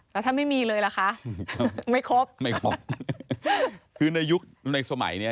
แล้วถ้าไม่มีเลยล่ะคะไม่ครบไม่ครบคือในยุคในสมัยเนี้ย